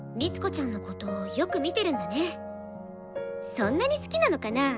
そんなに好きなのかな？